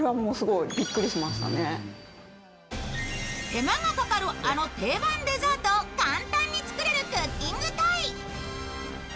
手間がかかるあの定番デザートを簡単に作れるクッキングトイ。